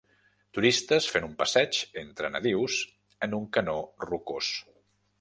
Turistes fent un passeig entre nadius en un canó rocós.